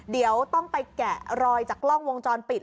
เดี๋ยวต้องไปแกะรอยจากกล้องวงจรปิด